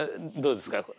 どうですか？